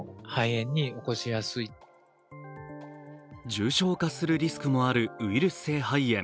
重症化するリスクもあるウイルス性肺炎。